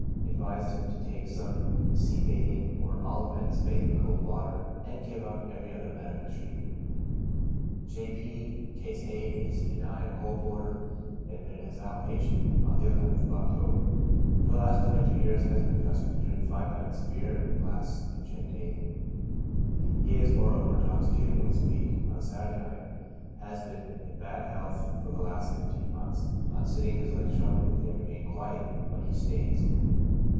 Advised him to take some sea bathing, or at all events bathe in cold water, and give up every other medical treatment. J. P —, (Case 8,) aged 39, a coal porter, admitted as out patient on the nth of October. For the last twenty years has been accustomed to drink five pints of beer and a glass of gin daily. He is, moreover, intoxicated once a week — on Saturday night. Has been in bad health for the last fifteen months. On sitting his legs tremble, but they remain quiet when he stands.